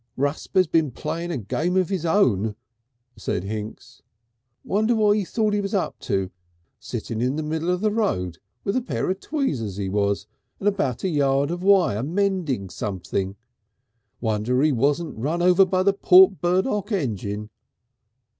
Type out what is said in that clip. "Rusper's been playing a game of his own," said Hinks. "Wonder what he thought he was up to! Sittin' in the middle of the road with a pair of tweezers he was, and about a yard of wire mending somethin'. Wonder he warn't run over by the Port Burdock engine."